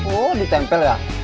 oh ditempel ya